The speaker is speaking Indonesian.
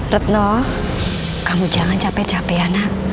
retno kamu jangan capek capek ya nak